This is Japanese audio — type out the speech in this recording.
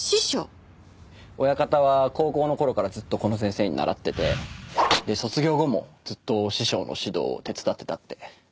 親方は高校の頃からずっとこの先生に習ってて卒業後もずっと師匠の指導を手伝ってたって。